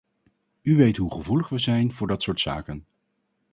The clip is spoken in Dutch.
U weet hoe gevoelig we zijn voor dat soort zaken.